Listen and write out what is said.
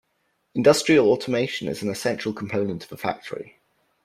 Industrial automation is an essential component of a factory.